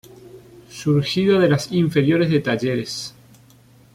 Surgido de las inferiores de Talleres.